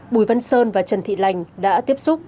bùi văn sơn và trần thị lành đã tiếp xúc